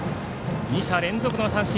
２者連続の三振。